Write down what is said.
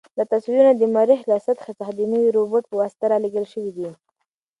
دا تصویرونه د مریخ له سطحې څخه د نوي روبوټ په واسطه رالېږل شوي.